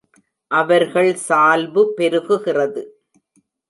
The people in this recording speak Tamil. அவர்கள் சால்பு பெருகுகிறது.